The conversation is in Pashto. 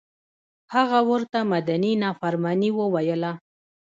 هغه ورته مدني نافرماني وویله.